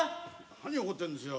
何怒ってんですよ？